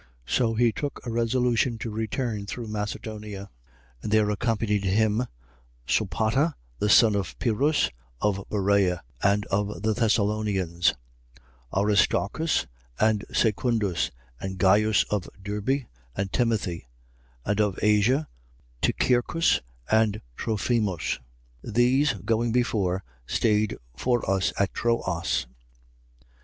So he took a resolution to return through Macedonia. 20:4. And there accompanied him Sopater, the son of Pyrrhus, of Berea: and of the Thessalonians, Aristarchus and Secundus: and Gaius of Derbe and Timothy: and of Asia, Tychicus and Trophimus. 20:5. These, going before, stayed for us at Troas.